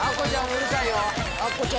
うるさいよ。